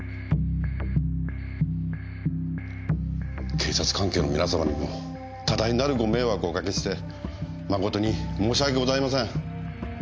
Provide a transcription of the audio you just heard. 警察関係の皆様にも多大なるご迷惑をおかけして誠に申し訳ございません。